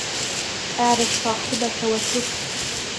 اعرف صاحبك واتركه